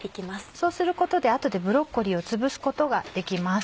そうすることで後でブロッコリーをつぶすことができます。